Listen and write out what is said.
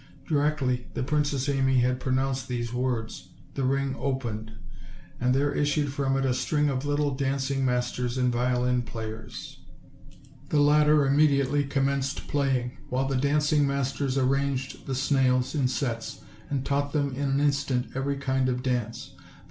Directly the Princess Amy had pronounced these words, the ring opened, and there is sued from it a string of little dancing masters and violin players; the latter immediately commenced playing, while the dancing masters arranged the snails in sets, and taught them in an instant every kind of dance: then 170 OLD, OLD FAIR7 TALES.